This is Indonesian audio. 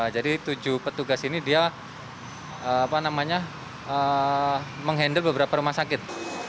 jadi tujuh petugas ini dia menghandle beberapa rumah sakit